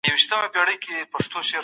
سازمانونو به سوداګریزي لاري خلاصولې.